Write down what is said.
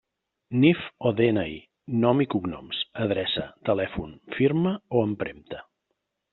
NIF o DNI, nom i cognoms, adreça, telèfon, firma o empremta.